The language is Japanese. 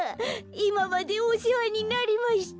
いままでおせわになりました。